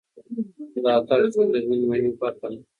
د ملاتړ شتون د ژوند مهمه برخه ده.